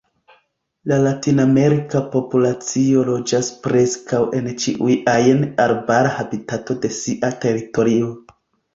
La latinamerika populacio loĝas preskaŭ en ĉiuj ajn arbara habitato de sia teritorio.